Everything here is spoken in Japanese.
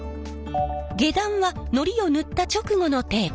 下段はのりを塗った直後のテープ。